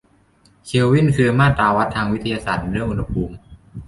เคลวินคือมาตราวัดทางวิทยาศาสตร์ในเรื่องอุณหภูมิ